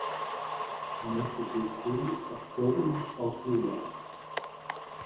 The neck should be free of throatiness or dewlap.